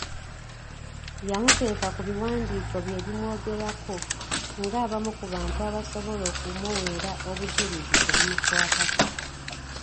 Yamuteeka ku biwandiiko bye ebimwogerako ng'abamu ku bantu abasobola okumuweera obujulizi ku bimukwatako.